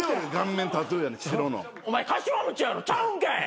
お前かしわ餅やろちゃうんかい？